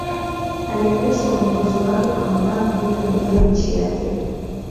aliendesha uongozi wake kwa mabavu bila kujali nchi yake